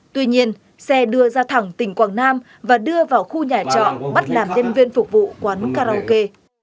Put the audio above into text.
tuy nhiên xe đưa ra thẳng tỉnh quảng nam và đưa vào khu nhà trọ bắt làm nhân viên phục vụ quán karaoke